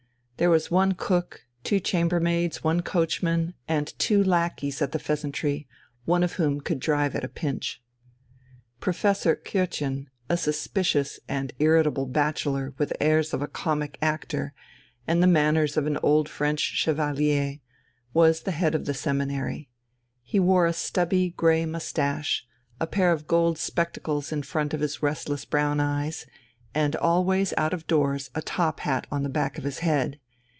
There was one cook, two chamber maids, one coachman, and two lackeys at the "Pheasantry," one of whom could drive at a pinch. Professor Kürtchen, a little suspicious and irritable bachelor with the airs of a comic actor and the manners of an old French chevalier, was head of the seminary. He wore a stubby grey moustache, a pair of gold spectacles in front of his restless brown eyes, and always out of doors a top hat on the back of his head.